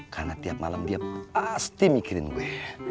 karena tiap malam dia pasti mikirin gue